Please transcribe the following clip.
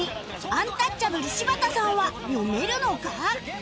アンタッチャブル柴田さんは読めるのか？